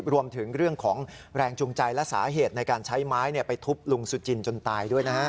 รวมถึงเรื่องของแรงจูงใจและสาเหตุในการใช้ไม้ไปทุบลุงสุจินจนตายด้วยนะฮะ